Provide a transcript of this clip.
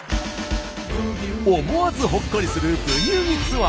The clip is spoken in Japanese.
思わずほっこりする「ブギウギ」ツアー。